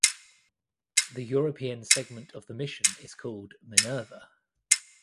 The European segment of the mission is called "Minerva".